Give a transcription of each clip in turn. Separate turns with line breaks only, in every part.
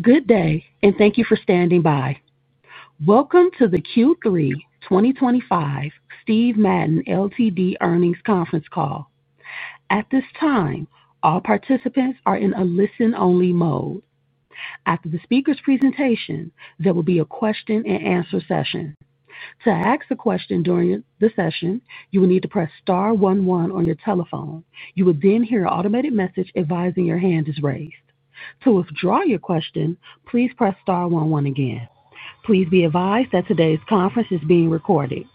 Good day, and thank you for standing by. Welcome to the Q3 2025 Steve Madden Ltd. earnings conference call. At this time, all participants are in a listen-only mode. After the speaker's presentation, there will be a question-and-answer session. To ask a question during the session, you will need to press star one one on your telephone. You will then hear an automated message advising your hand is raised. To withdraw your question, please press star one one again. Please be advised that today's conference is being recorded.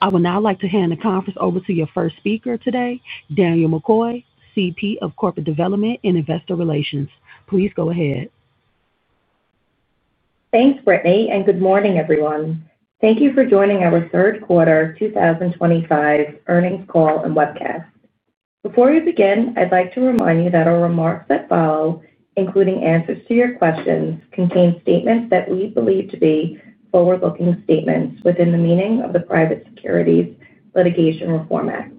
I would now like to hand the conference over to your first speaker today, Danielle McCoy, VP of Corporate Development and Investor Relations. Please go ahead.
Thanks, Brittany, and good morning, everyone. Thank you for joining our third quarter 2025 earnings call and webcast. Before we begin, I'd like to remind you that our remarks that follow, including answers to your questions, contain statements that we believe to be forward-looking statements within the meaning of the Private Securities Litigation Reform Act.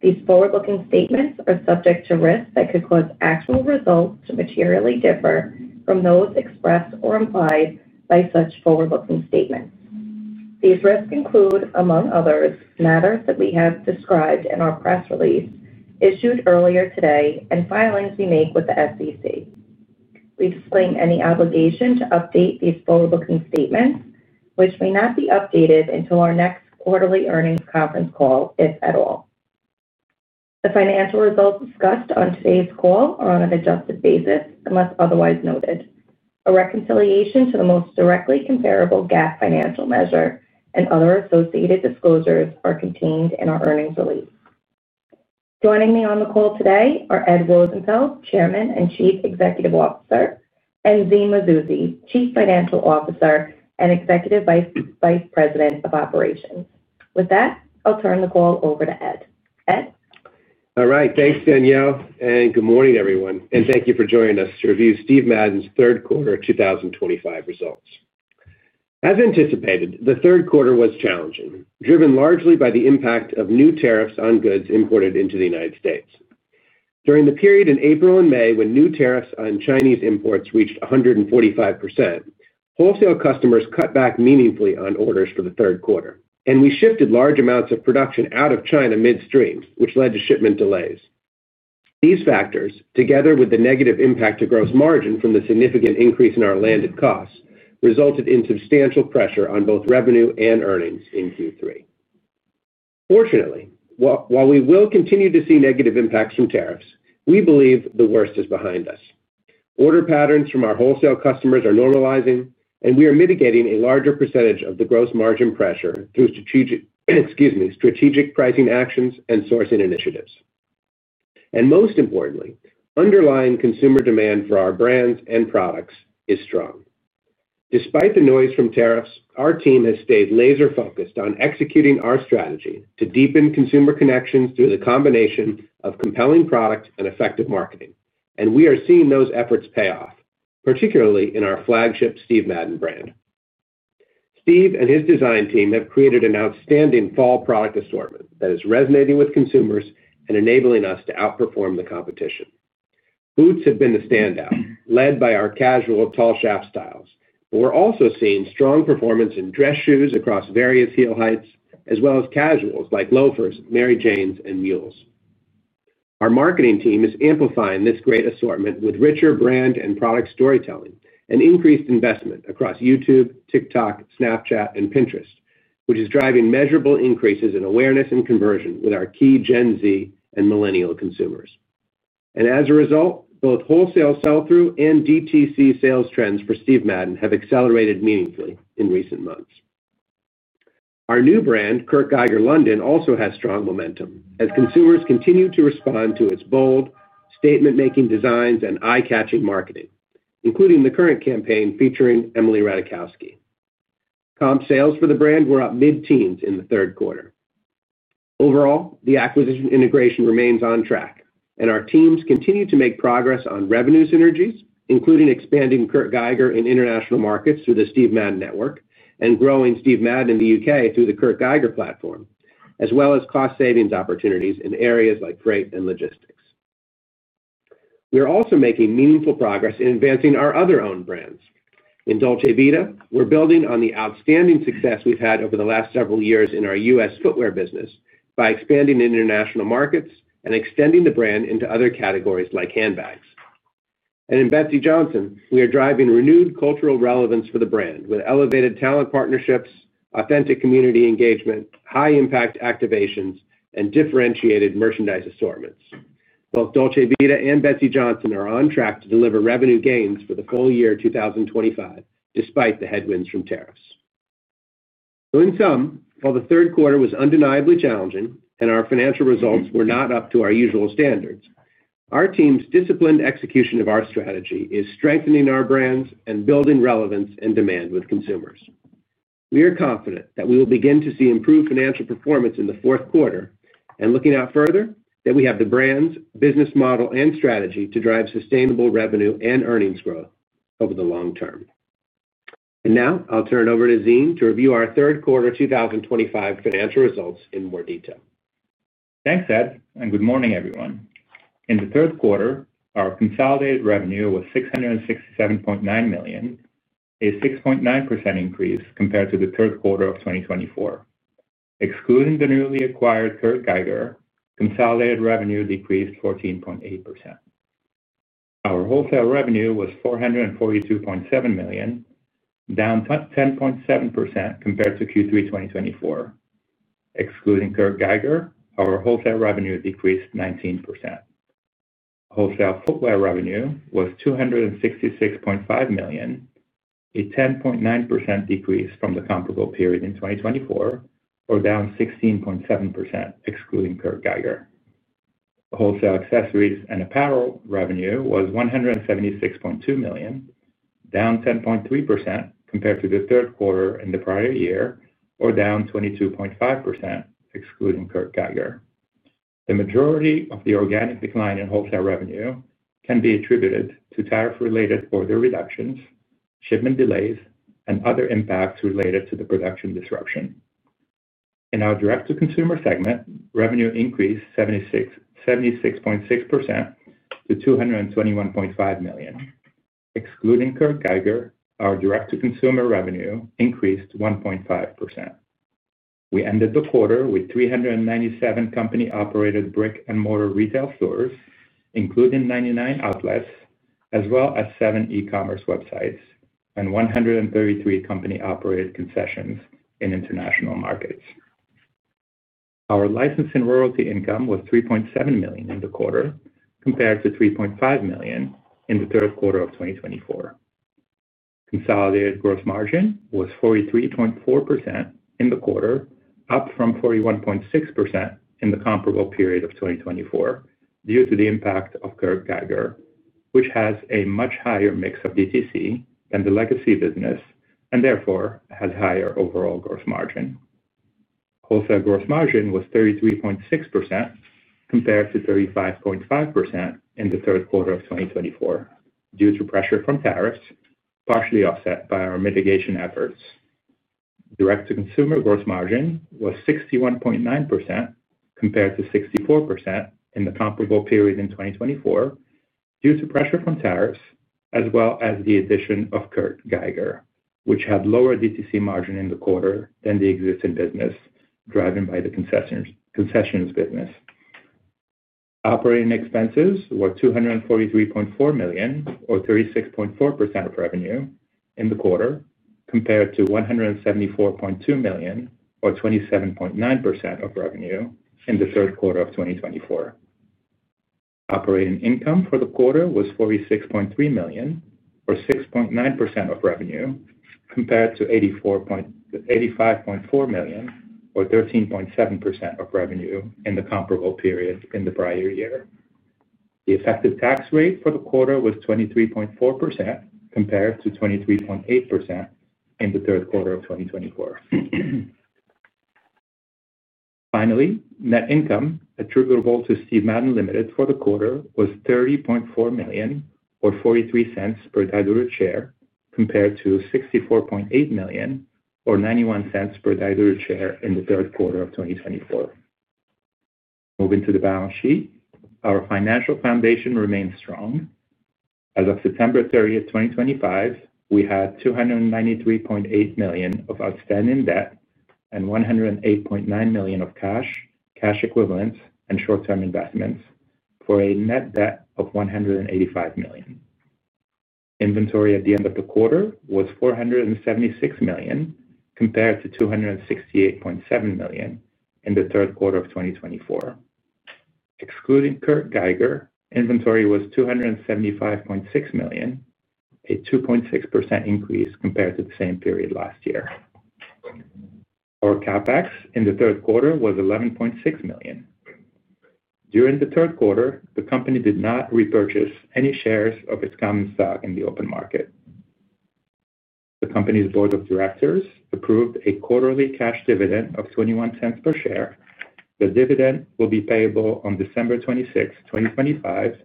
These forward-looking statements are subject to risks that could cause actual results to materially differ from those expressed or implied by such forward-looking statements. These risks include, among others, matters that we have described in our press release issued earlier today and filings we make with the SEC. We explain any obligation to update these forward-looking statements, which may not be updated until our next quarterly earnings conference call, if at all. The financial results discussed on today's call are on an adjusted basis unless otherwise noted. A reconciliation to the most directly comparable GAAP financial measure and other associated disclosures are contained in our earnings release. Joining me on the call today are Ed Rosenfeld, Chairman and Chief Executive Officer, and Zine Mazouzi, Chief Financial Officer and Executive Vice President of Operations. With that, I'll turn the call over to Ed. Ed.
All right. Thanks, Danielle. Good morning, everyone. Thank you for joining us to review Steve Madden's third quarter 2025 results. As anticipated, the third quarter was challenging, driven largely by the impact of new tariffs on goods imported into the United States. During the period in April and May when new tariffs on Chinese imports reached 145%, wholesale customers cut back meaningfully on orders for the third quarter, and we shifted large amounts of production out of China midstream, which led to shipment delays. These factors, together with the negative impact to gross margin from the significant increase in our landed costs, resulted in substantial pressure on both revenue and earnings in Q3. Fortunately, while we will continue to see negative impacts from tariffs, we believe the worst is behind us. Order patterns from our wholesale customers are normalizing, and we are mitigating a larger percentage of the gross margin pressure through strategic pricing actions and sourcing initiatives. Most importantly, underlying consumer demand for our brands and products is strong. Despite the noise from tariffs, our team has stayed laser-focused on executing our strategy to deepen consumer connections through the combination of compelling product and effective marketing, and we are seeing those efforts pay off, particularly in our flagship Steve Madden brand. Steve and his design team have created an outstanding fall product assortment that is resonating with consumers and enabling us to outperform the competition. Boots have been the standout, led by our casual tall shaft styles, but we're also seeing strong performance in dress shoes across various heel heights, as well as casuals like loafers, Mary Janes, and mules. Our marketing team is amplifying this great assortment with richer brand and product storytelling and increased investment across YouTube, TikTok, Snapchat, and Pinterest, which is driving measurable increases in awareness and conversion with our key Gen Z and millennial consumers. As a result, both wholesale sell-through and DTC sales trends for Steve Madden have accelerated meaningfully in recent months. Our new brand, Kurt Geiger London, also has strong momentum as consumers continue to respond to its bold, statement-making designs and eye-catching marketing, including the current campaign featuring Emily Ratajkowski. Comp sales for the brand were up mid-teens in the third quarter. Overall, the acquisition integration remains on track, and our teams continue to make progress on revenue synergies, including expanding Kurt Geiger in international markets through the Steve Madden network and growing Steve Madden in the U.K. through the Kurt Geiger platform, as well as cost savings opportunities in areas like freight and logistics. We are also making meaningful progress in advancing our other own brands. In Dolce Vita, we're building on the outstanding success we've had over the last several years in our U.S. footwear business by expanding international markets and extending the brand into other categories like handbags. In Betsey Johnson, we are driving renewed cultural relevance for the brand with elevated talent partnerships, authentic community engagement, high-impact activations, and differentiated merchandise assortments. Both Dolce Vita and Betsey Johnson are on track to deliver revenue gains for the full year 2025, despite the headwinds from tariffs. In sum, while the third quarter was undeniably challenging and our financial results were not up to our usual standards, our team's disciplined execution of our strategy is strengthening our brands and building relevance and demand with consumers. We are confident that we will begin to see improved financial performance in the fourth quarter, and looking out further, that we have the brands, business model, and strategy to drive sustainable revenue and earnings growth over the long term. I will now turn it over to Zine to review our third quarter 2025 financial results in more detail.
Thanks, Ed. Good morning, everyone. In the third quarter, our consolidated revenue was $667.9 million, a 6.9% increase compared to the third quarter of 2024. Excluding the newly acquired Kurt Geiger, consolidated revenue decreased 14.8%. Our wholesale revenue was $442.7 million, down 10.7% compared to Q3 2024. Excluding Kurt Geiger, our wholesale revenue decreased 19%. Wholesale footwear revenue was $266.5 million, a 10.9% decrease from the comparable period in 2024, or down 16.7% excluding Kurt Geiger. Wholesale accessories and apparel revenue was $176.2 million, down 10.3% compared to the third quarter in the prior year, or down 22.5% excluding Kurt Geiger. The majority of the organic decline in wholesale revenue can be attributed to tariff-related order reductions, shipment delays, and other impacts related to the production disruption. In our direct-to-consumer segment, revenue increased 76.6% to $221.5 million. Excluding Kurt Geiger, our direct-to-consumer revenue increased 1.5%. We ended the quarter with 397 company-operated brick-and-mortar retail stores, including 99 outlets, as well as 7 e-commerce websites and 133 company-operated concessions in international markets. Our license and royalty income was $3.7 million in the quarter compared to $3.5 million in the third quarter of 2024. Consolidated gross margin was 43.4% in the quarter, up from 41.6% in the comparable period of 2024 due to the impact of Kurt Geiger, which has a much higher mix of DTC than the legacy business and therefore has higher overall gross margin. Wholesale gross margin was 33.6% compared to 35.5% in the third quarter of 2024 due to pressure from tariffs, partially offset by our mitigation efforts. Direct-to-consumer gross margin was 61.9% compared to 64% in the comparable period in 2024 due to pressure from tariffs, as well as the addition of Kurt Geiger, which had lower DTC margin in the quarter than the existing business, driven by the concessions business. Operating expenses were $243.4 million, or 36.4% of revenue in the quarter, compared to $174.2 million, or 27.9% of revenue in the third quarter of 2024. Operating income for the quarter was $46.3 million, or 6.9% of revenue, compared to $85.4 million, or 13.7% of revenue in the comparable period in the prior year. The effective tax rate for the quarter was 23.4% compared to 23.8% in the third quarter of 2024. Finally, net income attributable to Steve Madden Ltd. for the quarter was $30.4 million, or $0.43 per diluted share, compared to $64.8 million, or $0.91 per diluted share in the third quarter of 2024. Moving to the balance sheet, our financial foundation remains strong. As of September 30, 2025, we had $293.8 million of outstanding debt and $108.9 million of cash, cash equivalents, and short-term investments for a net debt of $185 million. Inventory at the end of the quarter was $476 million compared to $268.7 million in the third quarter of 2024. Excluding Kurt Geiger, inventory was $275.6 million, a 2.6% increase compared to the same period last year. Our CapEx in the third quarter was $11.6 million. During the third quarter, the company did not repurchase any shares of its common stock in the open market. The company's Board of Directors approved a quarterly cash dividend of $0.21 per share. The dividend will be payable on December 26, 2025,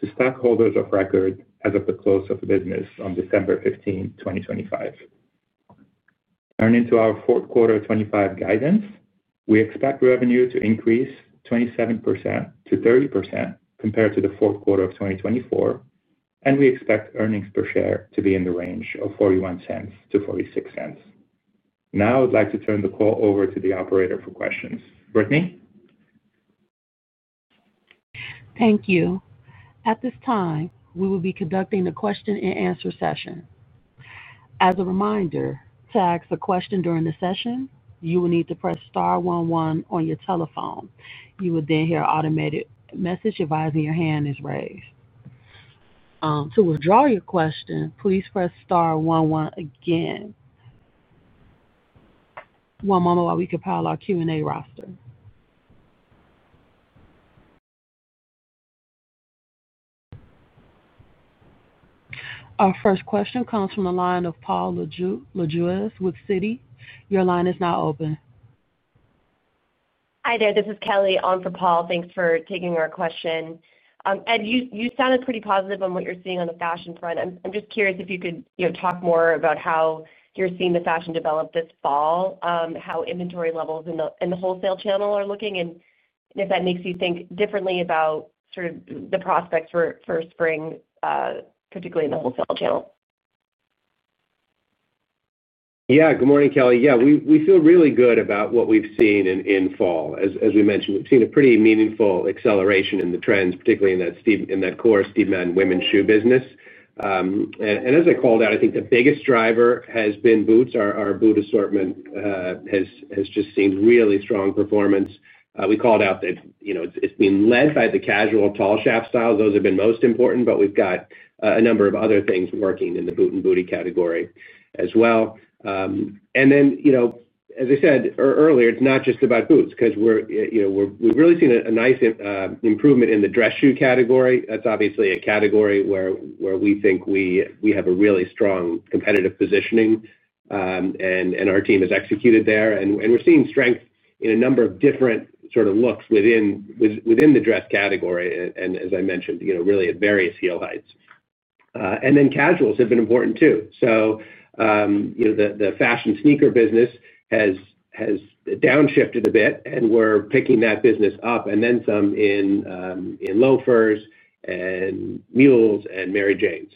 to stockholders of record as of the close of business on December 15, 2025. Turning to our fourth quarter 2025 guidance, we expect revenue to increase 27%-30% compared to the fourth quarter of 2024, and we expect earnings per share to be in the range of $0.41-$0.46. Now I'd like to turn the call over to the operator for questions. Brittany.
Thank you. At this time, we will be conducting a question-and-answer session. As a reminder, to ask a question during the session, you will need to press star one one on your telephone. You will then hear an automated message advising your hand is raised. To withdraw your question, please press star one one again. One moment while we compile our Q&A roster. Our first question comes from the line of Paul Lejuez with Citi. Your line is now open.
Hi there. This is Kelly on for Paul. Thanks for taking our question. Ed, you sounded pretty positive on what you're seeing on the fashion front. I'm just curious if you could talk more about how you're seeing the fashion develop this fall, how inventory levels in the wholesale channel are looking, and if that makes you think differently about sort of the prospects for spring, particularly in the wholesale channel.
Yeah. Good morning, Kelly. Yeah, we feel really good about what we've seen in fall. As we mentioned, we've seen a pretty meaningful acceleration in the trends, particularly in that core Steve Madden women's shoe business. As I called out, I think the biggest driver has been boots. Our boot assortment has just seen really strong performance. We called out that it's been led by the casual tall shaft styles. Those have been most important, but we've got a number of other things working in the boot and booty category as well. As I said earlier, it's not just about boots because we've really seen a nice improvement in the dress shoe category. That's obviously a category where we think we have a really strong competitive positioning. Our team has executed there. We're seeing strength in a number of different sort of looks within the dress category, and as I mentioned, really at various heel heights. Casuals have been important too. The fashion sneaker business has downshifted a bit, and we're picking that business up, and then some in loafers and mules and Mary Janes.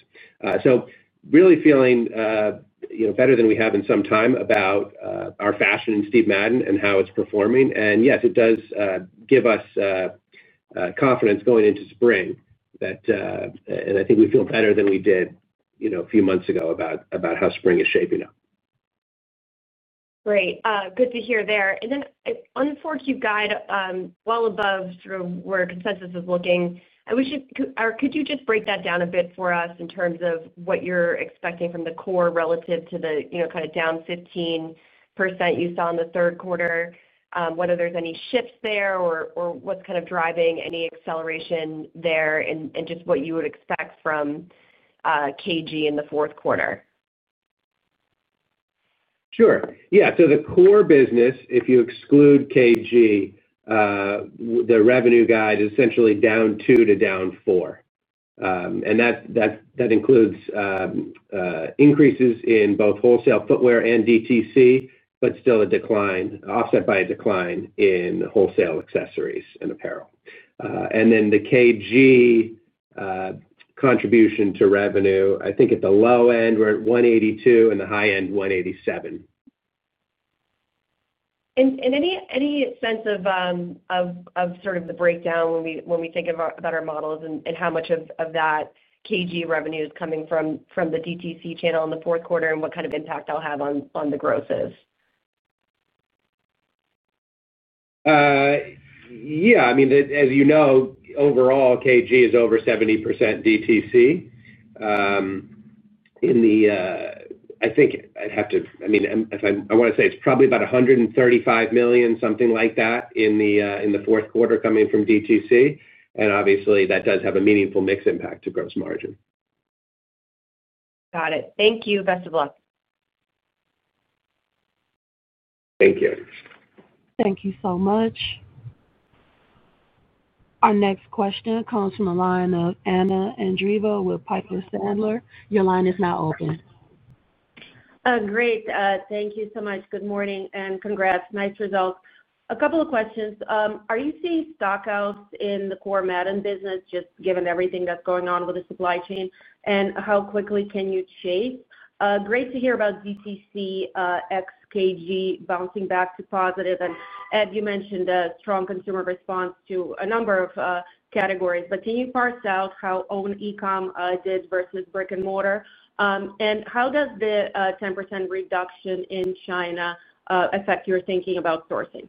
Really feeling better than we have in some time about our fashion and Steve Madden and how it's performing. Yes, it does give us confidence going into spring. I think we feel better than we did a few months ago about how spring is shaping up.
Great. Good to hear there. Unfortunately, you have got well above sort of where consensus is looking. Could you just break that down a bit for us in terms of what you are expecting from the core relative to the kind of down 15% you saw in the third quarter, whether there are any shifts there or what is kind of driving any acceleration there and just what you would expect from KG in the fourth quarter?
Sure. Yeah. So the core business, if you exclude KG, the revenue guide is essentially down 2% to down 4%. That includes increases in both wholesale footwear and DTC, but still offset by a decline in wholesale accessories and apparel. The KG contribution to revenue, I think at the low end, we are at $182 million and the high end, $187 million.
Any sense of, sort of, the breakdown when we think about our models and how much of that KG revenue is coming from the DTC channel in the fourth quarter and what kind of impact that'll have on the grosses?
Yeah. I mean, as you know, overall, KG is over 70% DTC. I think I'd have to—I mean, I want to say it's probably about $135 million, something like that, in the fourth quarter coming from DTC. Obviously, that does have a meaningful mixed impact to gross margin.
Got it. Thank you. Best of luck.
Thank you.
Thank you so much. Our next question comes from the line of Anna Andreeva with Piper Sandler. Your line is now open.
Great. Thank you so much. Good morning and congrats. Nice results. A couple of questions. Are you seeing stockouts in the core Madden business, just given everything that's going on with the supply chain and how quickly can you chase? Great to hear about DTC x KG bouncing back to positive. Ed, you mentioned a strong consumer response to a number of categories. Can you parse out how owned e-com did versus brick and mortar? How does the 10% reduction in China affect your thinking about sourcing?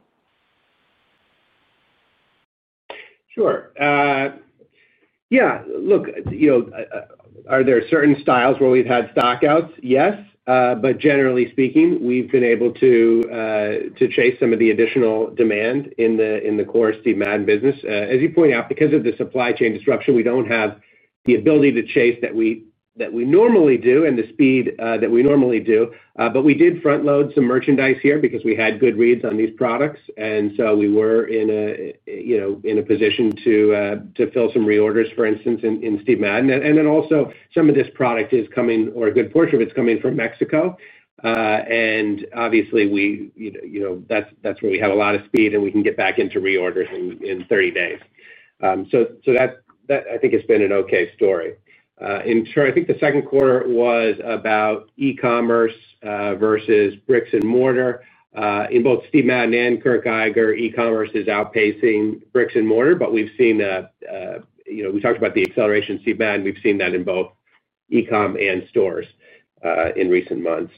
Sure. Yeah. Look. Are there certain styles where we've had stockouts? Yes. Generally speaking, we've been able to chase some of the additional demand in the core Steve Madden business. As you point out, because of the supply chain disruption, we do not have the ability to chase that we normally do and the speed that we normally do. We did front-load some merchandise here because we had good reads on these products. We were in a position to fill some reorders, for instance, in Steve Madden. Also, some of this product is coming, or a good portion of it is coming from Mexico. Obviously, that's where we have a lot of speed, and we can get back into reorders in 30 days. I think it's been an okay story. Sure, I think the second quarter was about e-commerce versus brick and mortar. In both Steve Madden and Kurt Geiger, e-commerce is outpacing brick and mortar, but we've seen— We talked about the acceleration in Steve Madden. We've seen that in both e-com and stores in recent months.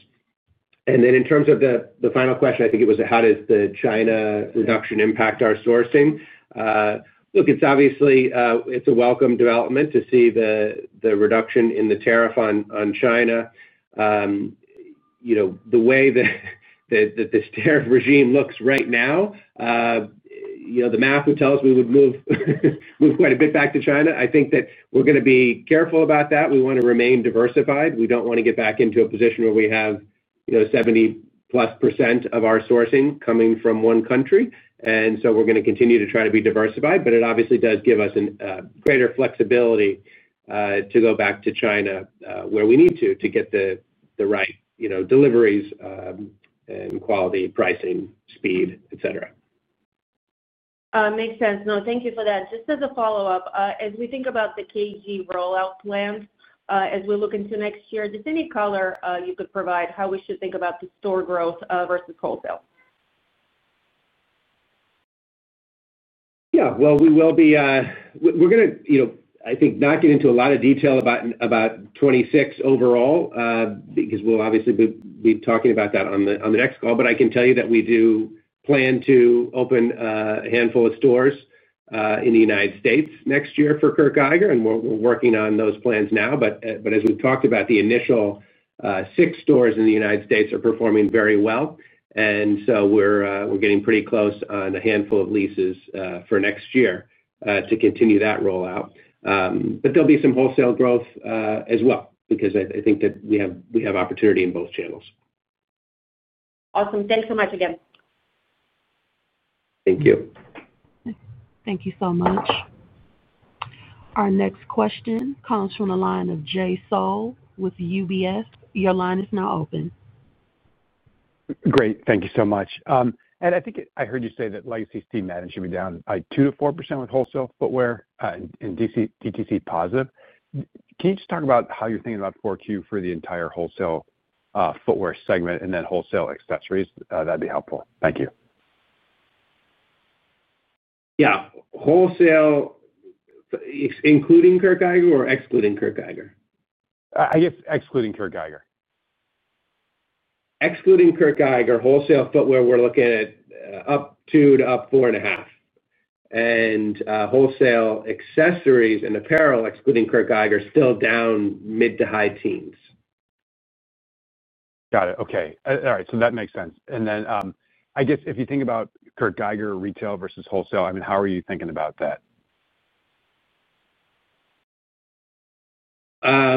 In terms of the final question, I think it was, how does the China reduction impact our sourcing? Look, it's obviously a welcome development to see the reduction in the tariff on China. The way that this tariff regime looks right now, the math would tell us we would move quite a bit back to China. I think that we're going to be careful about that. We want to remain diversified. We don't want to get back into a position where we have 70%+ of our sourcing coming from one country. We are going to continue to try to be diversified. It obviously does give us greater flexibility to go back to China where we need to to get the right deliveries. And quality, pricing, speed, etc.
Makes sense. No, thank you for that. Just as a follow-up, as we think about the KG rollout plan, as we look into next year, just any color you could provide how we should think about the store growth versus wholesale?
Yeah. We will be— We're going to, I think, not get into a lot of detail about 2026 overall because we'll obviously be talking about that on the next call. I can tell you that we do plan to open a handful of stores in the United States next year for Kurt Geiger. We're working on those plans now. As we've talked about, the initial six stores in the United States are performing very well. We're getting pretty close on a handful of leases for next year to continue that rollout. There will be some wholesale growth as well because I think that we have opportunity in both channels.
Awesome. Thanks so much again.
Thank you.
Thank you so much. Our next question comes from the line of Jay Sole with UBS. Your line is now open.
Great. Thank you so much. I think I heard you say that legacy Steve Madden should be down 2%-4% with wholesale footwear and DTC positive. Can you just talk about how you're thinking about 4Q for the entire wholesale footwear segment and then wholesale accessories? That'd be helpful. Thank you.
Yeah. Wholesale. Including Kurt Geiger or excluding Kurt Geiger?
I guess excluding Kurt Geiger.
Excluding Kurt Geiger, wholesale footwear, we're looking at up two to up four and a half. And wholesale accessories and apparel, excluding Kurt Geiger, still down mid to high teens.
Got it. Okay. All right. That makes sense. I guess if you think about Kurt Geiger retail versus wholesale, I mean, how are you thinking about that?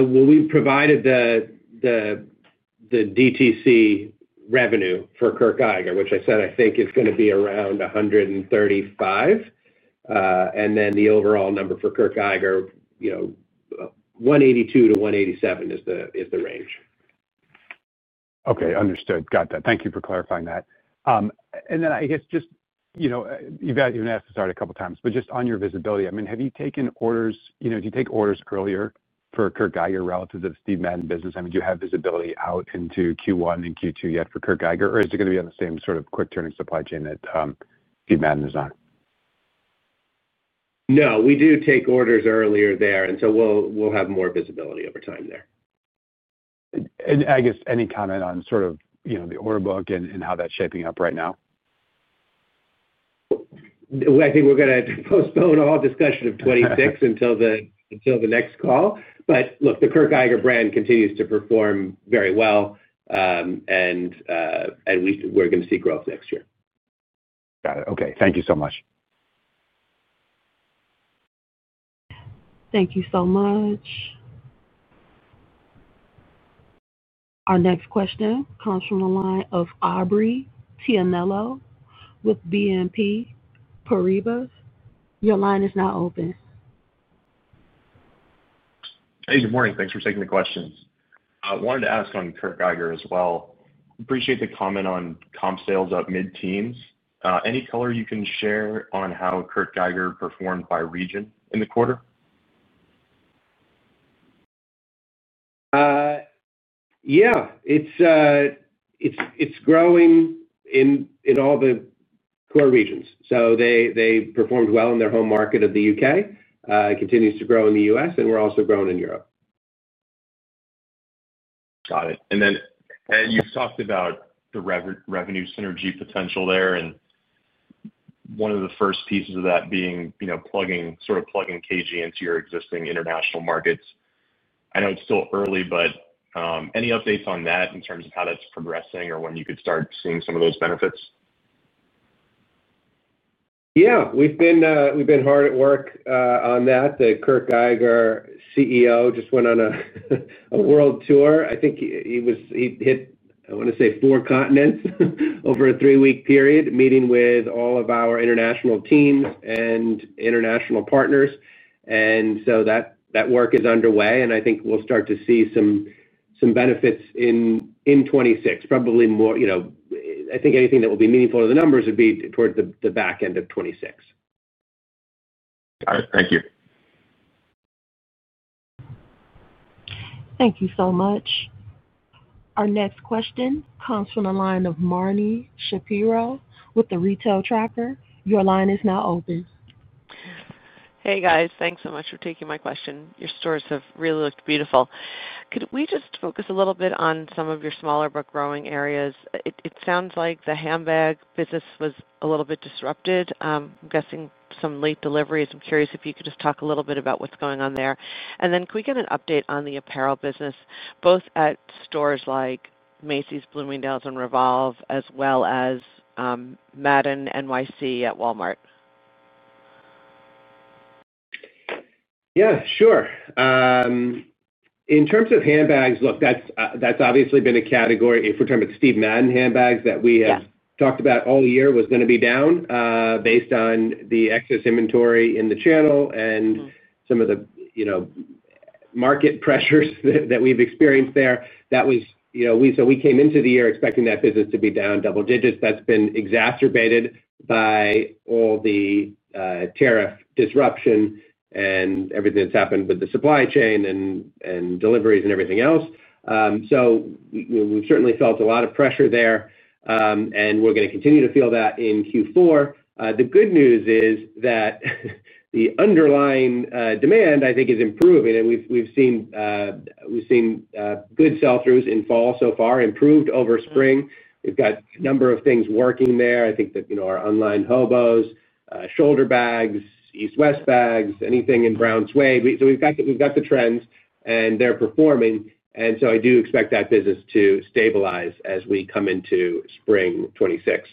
We have provided the DTC revenue for Kurt Geiger, which I said I think is going to be around $135 million. And then the overall number for Kurt Geiger, $182 million-$187 million is the range.
Okay. Understood. Got that. Thank you for clarifying that. I guess just, you've asked this already a couple of times, but just on your visibility, I mean, have you taken orders? Do you take orders earlier for Kurt Geiger relative to the Steve Madden business? I mean, do you have visibility out into Q1 and Q2 yet for Kurt Geiger, or is it going to be on the same sort of quick-turning supply chain that Steve Madden is on?
No. We do take orders earlier there. And so we'll have more visibility over time there.
I guess any comment on sort of the order book and how that's shaping up right now?
I think we're going to postpone all discussion of 2026 until the next call. Look, the Kurt Geiger brand continues to perform very well. We're going to see growth next year.
Got it. Okay. Thank you so much.
Thank you so much. Our next question comes from the line of Aubrey Tianello with BNP Paribas. Your line is now open.
Hey, good morning. Thanks for taking the questions. I wanted to ask on Kurt Geiger as well. Appreciate the comment on comp sales up mid-teens. Any color you can share on how Kurt Geiger performed by region in the quarter?
Yeah. It's growing in all the core regions. They performed well in their home market of the U.K., continues to grow in the U.S., and we're also growing in Europe.
Got it. Ed, you've talked about the revenue synergy potential there. One of the first pieces of that being sort of plugging KG into your existing international markets. I know it's still early, but any updates on that in terms of how that's progressing or when you could start seeing some of those benefits?
Yeah. We've been hard at work on that. The Kurt Geiger CEO just went on a world tour. I think he hit, I want to say, four continents over a three-week period, meeting with all of our international teams and international partners. That work is underway. I think we'll start to see some benefits in 2026. Probably more. I think anything that will be meaningful to the numbers would be towards the back end of 2026.
Got it. Thank you.
Thank you so much. Our next question comes from the line of Marni Shapiro with The Retail Tracker. Your line is now open.
Hey, guys. Thanks so much for taking my question. Your stores have really looked beautiful. Could we just focus a little bit on some of your smaller but growing areas? It sounds like the handbag business was a little bit disrupted. I'm guessing some late deliveries. I'm curious if you could just talk a little bit about what's going on there. Could we get an update on the apparel business, both at stores like Macy's, Bloomingdale's, and Revolve, as well as Madden NYC at Walmart?
Yeah. Sure. In terms of handbags, look, that's obviously been a category, if we're talking about Steve Madden handbags, that we have talked about all year was going to be down based on the excess inventory in the channel and some of the market pressures that we've experienced there. We came into the year expecting that business to be down double digits. That's been exacerbated by all the tariff disruption and everything that's happened with the supply chain and deliveries and everything else. We have certainly felt a lot of pressure there. We're going to continue to feel that in Q4. The good news is that the underlying demand, I think, is improving. We've seen good sell-throughs in fall so far, improved over spring. We've got a number of things working there. I think that our online Hobos, shoulder bags, EastWest bags, anything in brown suede. We've got the trends, and they're performing. I do expect that business to stabilize as we come into spring 2026.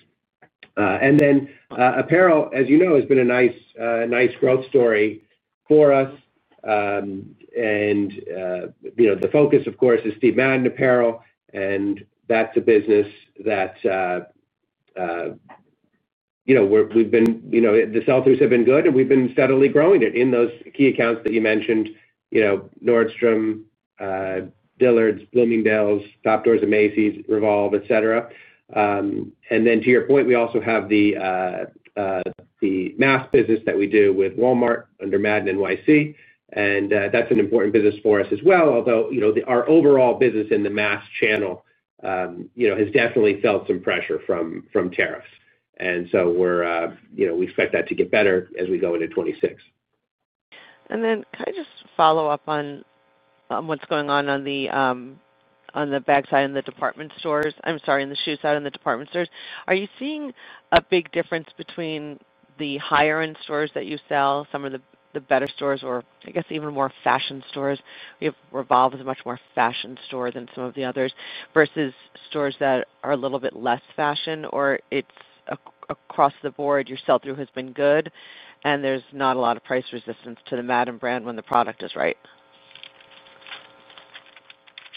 Apparel, as you know, has been a nice growth story for us. The focus, of course, is Steve Madden apparel. That's a business that we've been—the sell-throughs have been good, and we've been steadily growing it in those key accounts that you mentioned: Nordstrom, Dillard's, Bloomingdale's, Top Doors of Macy's, Revolve, etc. To your point, we also have the mass business that we do with Walmart under Madden NYC. That's an important business for us as well, although our overall business in the mass channel has definitely felt some pressure from tariffs. We expect that to get better as we go into 2026.
Can I just follow up on what's going on on the back side in the department stores? I'm sorry, in the shoe side in the department stores. Are you seeing a big difference between the higher-end stores that you sell, some of the better stores, or I guess even more fashion stores? Revolve is a much more fashion store than some of the others versus stores that are a little bit less fashion, or it's across the board, your sell-through has been good, and there's not a lot of price resistance to the Madden brand when the product is right?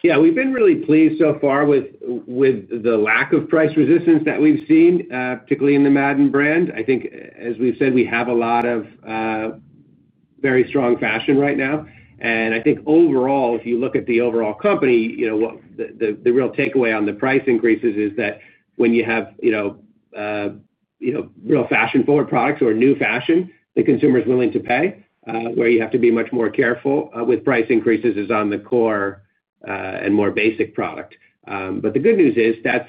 Yeah. We've been really pleased so far with the lack of price resistance that we've seen, particularly in the Madden brand. I think, as we've said, we have a lot of very strong fashion right now. I think overall, if you look at the overall company, the real takeaway on the price increases is that when you have real fashion-forward products or new fashion, the consumer is willing to pay. Where you have to be much more careful with price increases is on the core and more basic product. The good news is that's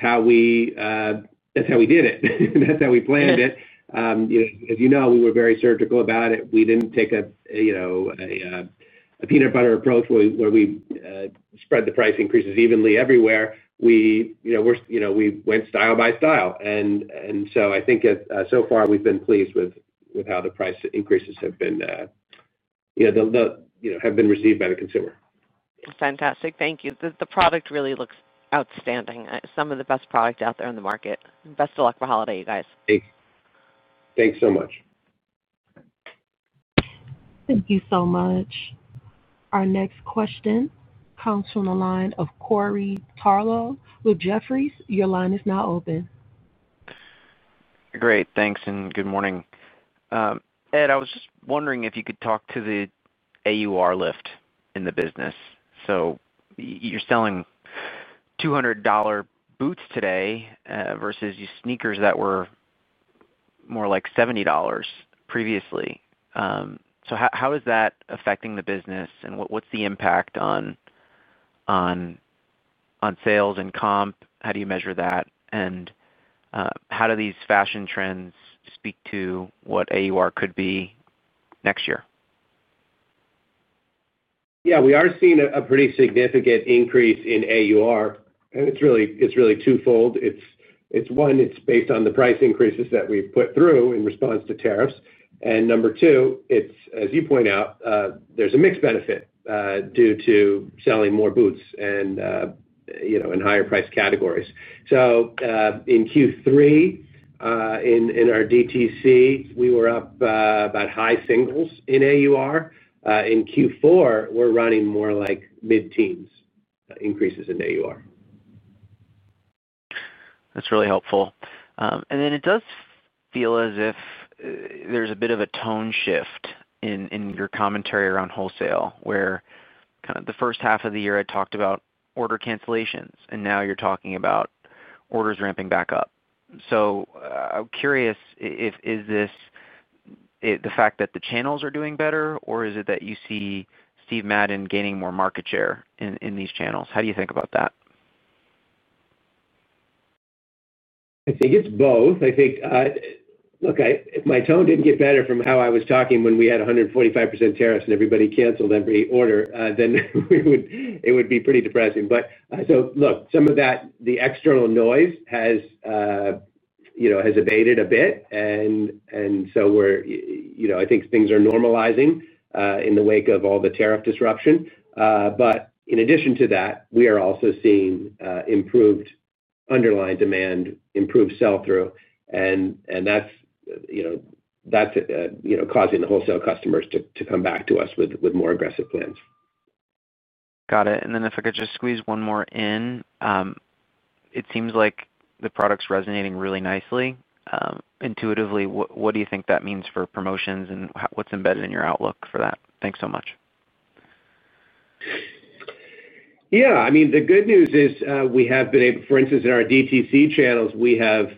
how we did it. That's how we planned it. As you know, we were very surgical about it. We didn't take a peanut butter approach where we spread the price increases evenly everywhere. We went style by style. I think so far we've been pleased with how the price increases have been received by the consumer.
Fantastic. Thank you. The product really looks outstanding. Some of the best product out there in the market. Best of luck for holiday, you guys.
Thanks. Thanks so much.
Thank you so much. Our next question comes from the line of Corey Tarlowe with Jefferies. Your line is now open.
Great. Thanks and good morning. Ed, I was just wondering if you could talk to the AUR lift in the business. So you're selling $200 boots today versus sneakers that were more like $70 previously. How is that affecting the business, and what's the impact on sales and comp? How do you measure that? How do these fashion trends speak to what AUR could be next year?
Yeah. We are seeing a pretty significant increase in AUR. And it's really twofold. It's one, it's based on the price increases that we've put through in response to tariffs. And number two, as you point out, there's a mixed benefit due to selling more boots and in higher-priced categories. So in Q3, in our DTC, we were up about high singles in AUR. In Q4, we're running more like mid-teens increases in AUR.
That's really helpful. It does feel as if there's a bit of a tone shift in your commentary around wholesale, where kind of the first half of the year I talked about order cancellations, and now you're talking about orders ramping back up. I'm curious, is this the fact that the channels are doing better, or is it that you see Steve Madden gaining more market share in these channels? How do you think about that?
I think it's both. I think. Look, my tone didn't get better from how I was talking when we had 145% tariffs and everybody canceled every order. It would be pretty depressing. Some of that, the external noise has abated a bit. I think things are normalizing in the wake of all the tariff disruption. In addition to that, we are also seeing improved underlying demand, improved sell-through. That's causing the wholesale customers to come back to us with more aggressive plans.
Got it. If I could just squeeze one more in. It seems like the product's resonating really nicely. Intuitively, what do you think that means for promotions, and what's embedded in your outlook for that? Thanks so much.
Yeah. I mean, the good news is we have been able, for instance, in our DTC channels, we have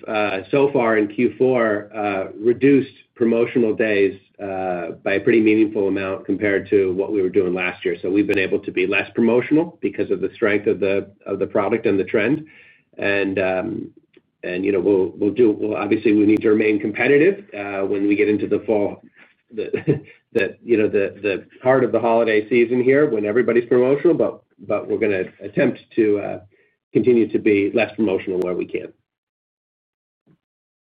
so far in Q4 reduced promotional days by a pretty meaningful amount compared to what we were doing last year. We have been able to be less promotional because of the strength of the product and the trend. We will do, obviously, we need to remain competitive when we get into the fall, the part of the holiday season here when everybody is promotional, but we are going to attempt to continue to be less promotional where we can.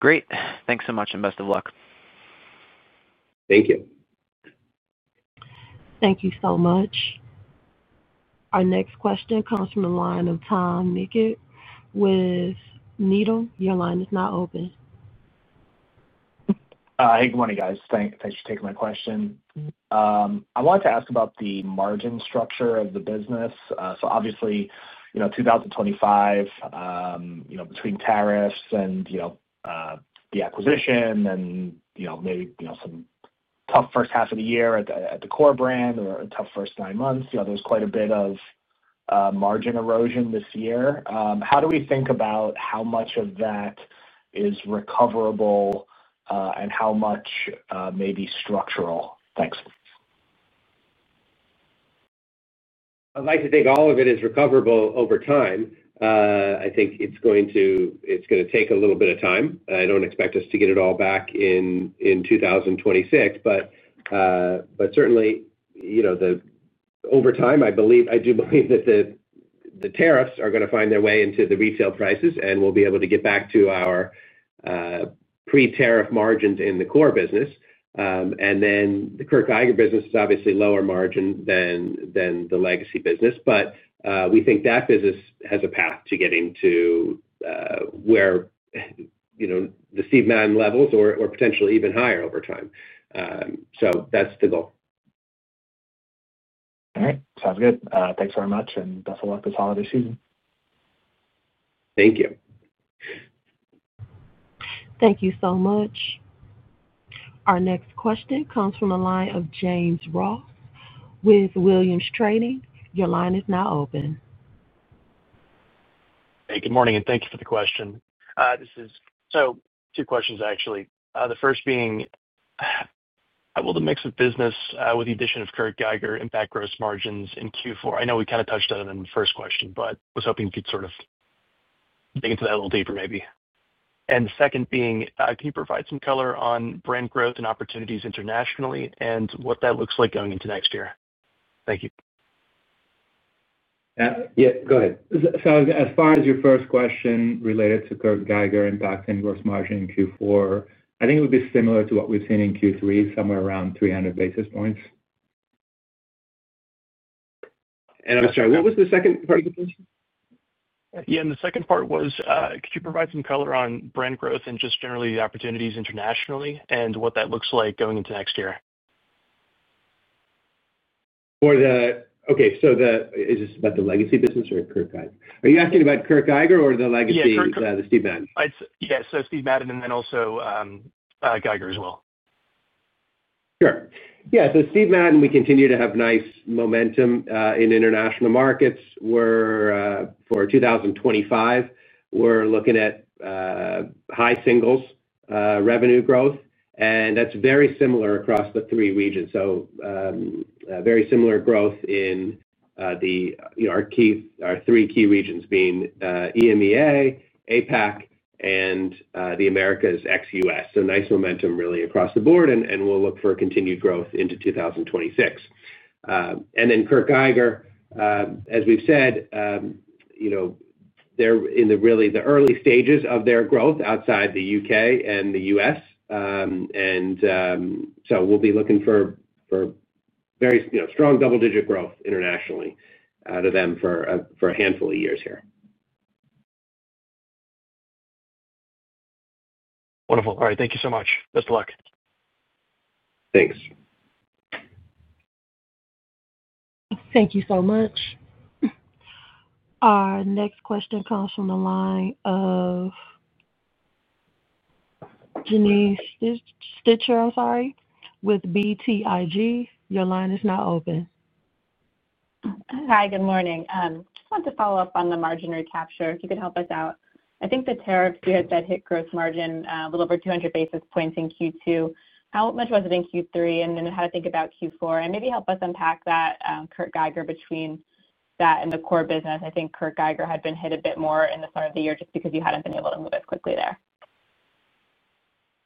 Great. Thanks so much and best of luck.
Thank you.
Thank you so much. Our next question comes from the line of Tom Nikic with Needham. Your line is now open.
Hey, good morning, guys. Thanks for taking my question. I wanted to ask about the margin structure of the business. So obviously, 2025, between tariffs and the acquisition and maybe some tough first half of the year at the core brand or a tough first nine months, there was quite a bit of margin erosion this year. How do we think about how much of that is recoverable and how much may be structural? Thanks.
I'd like to think all of it is recoverable over time. I think it's going to take a little bit of time. I don't expect us to get it all back in 2026. Certainly, over time, I do believe that the tariffs are going to find their way into the retail prices, and we'll be able to get back to our pre-tariff margins in the core business. The Kurt Geiger business is obviously lower margin than the legacy business, but we think that business has a path to getting to where the Steve Madden levels or potentially even higher over time. That's the goal.
All right. Sounds good. Thanks very much, and best of luck this holiday season.
Thank you.
Thank you so much. Our next question comes from the line of James Ross with Williams Trading. Your line is now open.
Hey, good morning, and thank you for the question. Two questions, actually. The first being, will the mix of business with the addition of Kurt Geiger impact gross margins in Q4? I know we kind of touched on it in the first question, but I was hoping you could sort of dig into that a little deeper, maybe. The second being, can you provide some color on brand growth and opportunities internationally and what that looks like going into next year? Thank you.
Yeah. Go ahead. As far as your first question related to Kurt Geiger impacting gross margin in Q4, I think it would be similar to what we've seen in Q3, somewhere around 300 basis points. I'm sorry, what was the second part of the question?
Yeah. The second part was, could you provide some color on brand growth and just generally the opportunities internationally and what that looks like going into next year?
Okay. So is this about the legacy business or Kurt Geiger? Are you asking about Kurt Geiger or the legacy?
Yeah. Kirk.
Steve Madden?
Yeah. So Steve Madden and then also Kurt Geiger as well.
Sure. Yeah. Steve Madden, we continue to have nice momentum in international markets. For 2025, we're looking at high single-digit revenue growth. That is very similar across the three regions. Very similar growth in our three key regions being EMEA, APAC, and the Americas ex U.S. Nice momentum really across the board, and we'll look for continued growth into 2026. Kurt Geiger, as we've said, they're in really the early stages of their growth outside the U.K. and the U.S. We will be looking for very strong double-digit growth internationally out of them for a handful of years here.
Wonderful. All right. Thank you so much. Best of luck.
Thanks.
Thank you so much. Our next question comes from the line of Janine Stichter, I'm sorry, with BTIG. Your line is now open.
Hi. Good morning. I just wanted to follow up on the margin recapture if you could help us out. I think the tariffs you had said hit gross margin a little over 200 basis points in Q2. How much was it in Q3, and then how to think about Q4? Maybe help us unpack that, Kurt Geiger, between that and the core business. I think Kurt Geiger had been hit a bit more in the start of the year just because you had not been able to move as quickly there.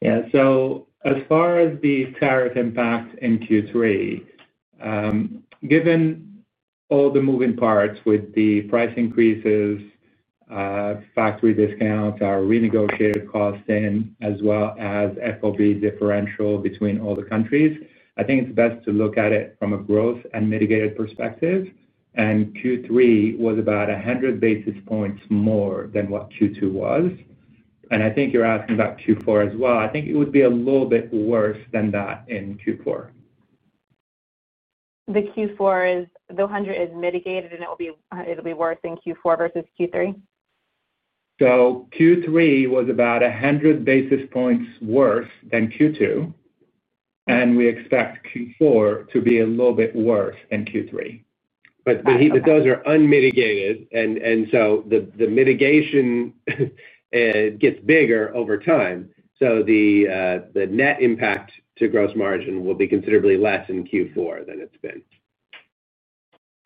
Yeah. As far as the tariff impact in Q3, given all the moving parts with the price increases, factory discounts, our renegotiated costing, as well as FOB differential between all the countries, I think it is best to look at it from a growth and mitigated perspective. Q3 was about 100 basis points more than what Q2 was. I think you are asking about Q4 as well. I think it would be a little bit worse than that in Q4.
The Q4 is the 100 is mitigated, and it'll be worse in Q4 versus Q3?
Q3 was about 100 basis points worse than Q2. We expect Q4 to be a little bit worse than Q3. Those are unmitigated, and the mitigation gets bigger over time. The net impact to gross margin will be considerably less in Q4 than it has been.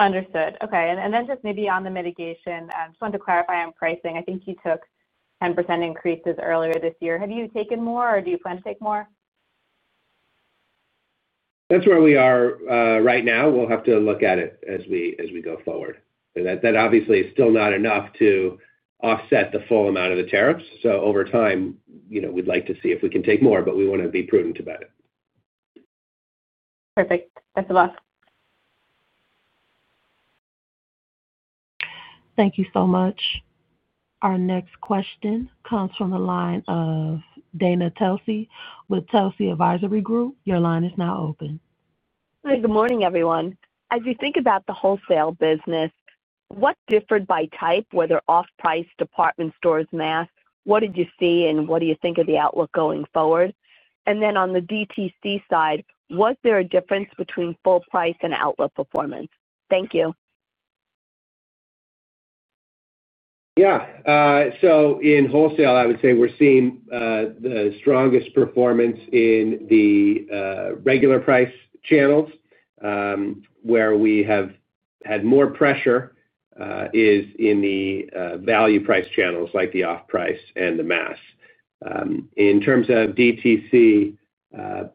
Understood. Okay. And then just maybe on the mitigation, I just wanted to clarify on pricing. I think you took 10% increases earlier this year. Have you taken more, or do you plan to take more?
That's where we are right now. We'll have to look at it as we go forward. That obviously is still not enough to offset the full amount of the tariffs. Over time, we'd like to see if we can take more, but we want to be prudent about it.
Perfect. Best of luck.
Thank you so much. Our next question comes from the line of Dana Telsey with Telsey Advisory Group. Your line is now open.
Hi. Good morning, everyone. As you think about the wholesale business, what differed by type, whether off-price, department stores, mass? What did you see, and what do you think of the outlook going forward? On the DTC side, was there a difference between full price and outlet performance? Thank you.
Yeah. So in wholesale, I would say we're seeing the strongest performance in the regular price channels. Where we have had more pressure is in the value price channels like the off-price and the mass. In terms of DTC,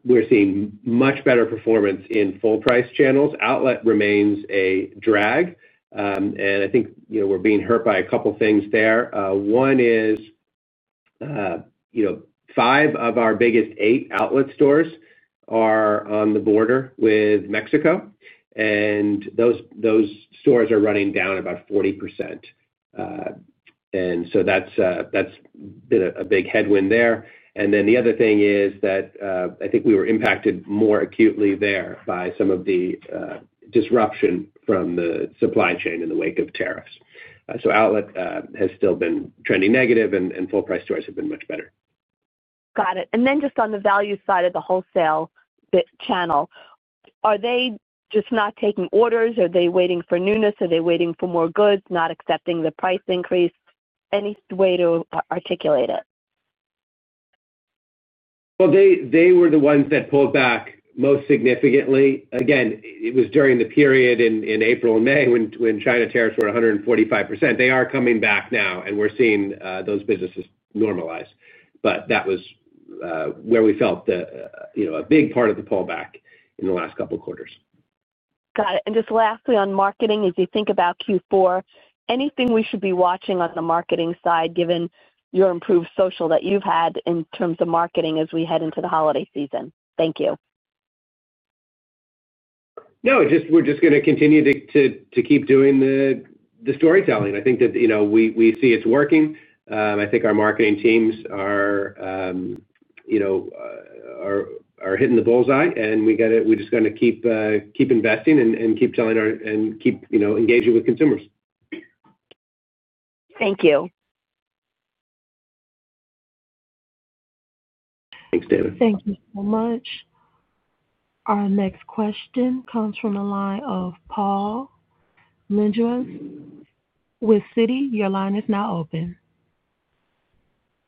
we're seeing much better performance in full price channels. Outlet remains a drag. I think we're being hurt by a couple of things there. One is five of our biggest eight outlet stores are on the border with Mexico, and those stores are running down about 40%. That has been a big headwind there. The other thing is that I think we were impacted more acutely there by some of the disruption from the supply chain in the wake of tariffs. Outlet has still been trending negative, and full price stores have been much better.
Got it. And then just on the value side of the wholesale channel, are they just not taking orders? Are they waiting for newness? Are they waiting for more goods, not accepting the price increase? Any way to articulate it?
They were the ones that pulled back most significantly. Again, it was during the period in April and May when China tariffs were 145%. They are coming back now, and we're seeing those businesses normalize. That was where we felt a big part of the pullback in the last couple of quarters.
Got it. Just lastly on marketing, as you think about Q4, anything we should be watching on the marketing side, given your improved social that you've had in terms of marketing as we head into the holiday season? Thank you.
No. We're just going to continue to keep doing the storytelling. I think that we see it's working. I think our marketing teams are hitting the bullseye, and we just got to keep investing and keep telling and keep engaging with consumers.
Thank you.
Thanks, Dana.
Thank you so much. Our next question comes from the line of Paul Lejuez with Citi, your line is now open.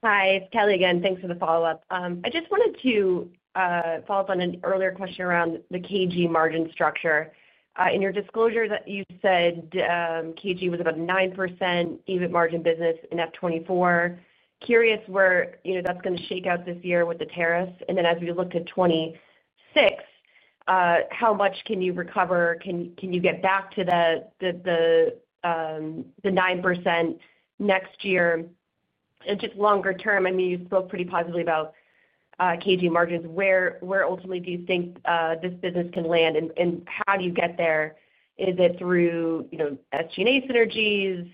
Hi. It's Kelly again. Thanks for the follow-up. I just wanted to follow up on an earlier question around the KG margin structure. In your disclosure, you said KG was about a 9% even margin business in 2024. Curious where that's going to shake out this year with the tariffs. As we look to 2026, how much can you recover? Can you get back to the 9% next year? Just longer term, I mean, you spoke pretty positively about KG margins. Where ultimately do you think this business can land, and how do you get there? Is it through SG&A synergies,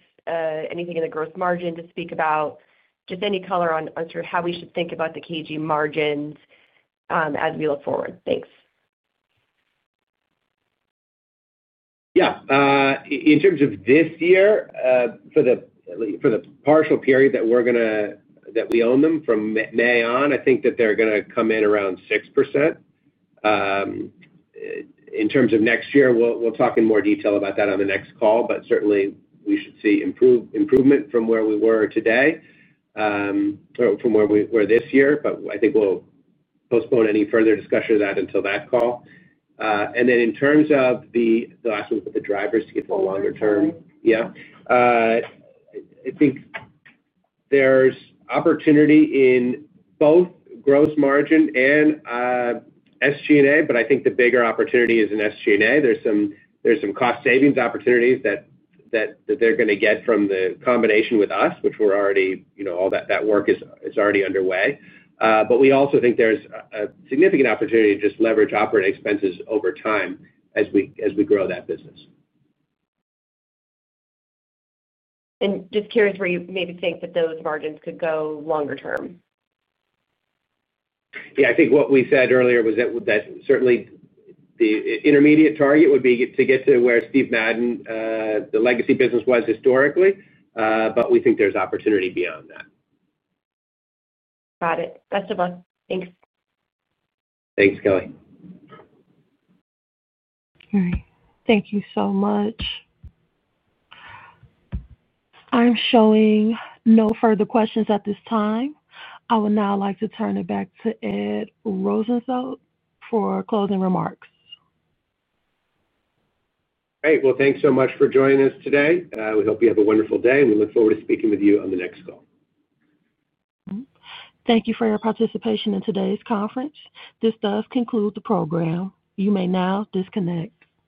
anything in the gross margin to speak about? Just any color on sort of how we should think about the KG margins as we look forward. Thanks.
Yeah. In terms of this year, for the partial period that we're going to that we own them from May on, I think that they're going to come in around 6%. In terms of next year, we'll talk in more detail about that on the next call, but certainly we should see improvement from where we were today or from where we were this year. I think we'll postpone any further discussion of that until that call. In terms of the last one with the drivers to get to a longer term.
Drivers.
Yeah. I think there's opportunity in both gross margin and SG&A, but I think the bigger opportunity is in SG&A. There's some cost savings opportunities that they're going to get from the combination with us, which we're already, all that work is already underway. We also think there's a significant opportunity to just leverage operating expenses over time as we grow that business.
Just curious where you maybe think that those margins could go longer term.
Yeah. I think what we said earlier was that certainly. The intermediate target would be to get to where Steve Madden, the legacy business, was historically, but we think there's opportunity beyond that.
Got it. Best of luck. Thanks.
Thanks, Kelly.
All right. Thank you so much. I'm showing no further questions at this time. I would now like to turn it back to Ed Rosenfeld for closing remarks.
Great. Thanks so much for joining us today. We hope you have a wonderful day, and we look forward to speaking with you on the next call.
Thank you for your participation in today's conference. This does conclude the program. You may now disconnect.